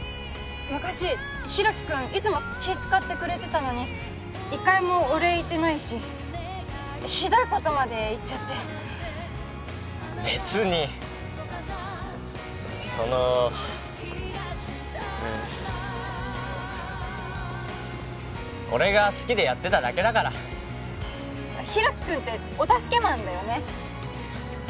昔大樹君いつも気使ってくれてたのに一回もお礼言ってないしひどいことまで言っちゃってべつにその俺が好きでやってただけだから大樹君ってお助けマンだよね